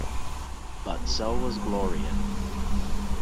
But so was Gloria.